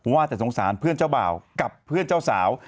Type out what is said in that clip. ว่าแต่สงสารเพื่อนเจ้าบ่าวกับเพื่อนเจ้าสาว